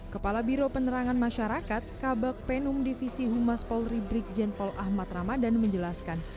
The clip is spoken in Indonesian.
kepala biro penerangan masyarakat kabak penum divisi humas polri brikjen paul ahmad ramadan menjelaskan